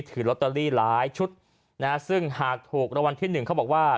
ถือลอตเตอรี่หลายชุดนะฮะซึ่งหากถูกรางวัลที่หนึ่งเขาบอกว่า